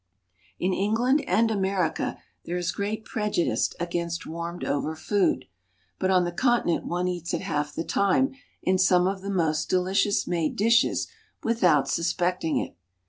In England and America there is great prejudice against warmed over food, but on the continent one eats it half the time in some of the most delicious made dishes without suspecting it.